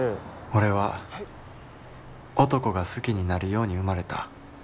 「俺は男が好きになるように生まれた。